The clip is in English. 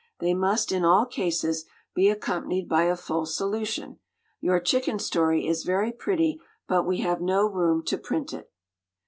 They must, in all cases, be accompanied by a full solution. Your chicken story is very pretty, but we have no room to print it.